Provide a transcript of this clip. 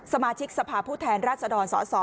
สมาชิกสภาพผู้แทนราชดรสส